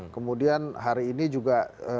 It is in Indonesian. kemudian hari ini juga